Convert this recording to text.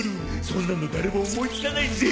そんなの誰も思いつかないぜ！